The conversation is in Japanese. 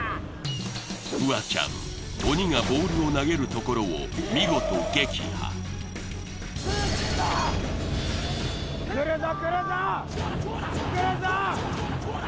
フワちゃん鬼がボールを投げるところを見事撃破来るぞ！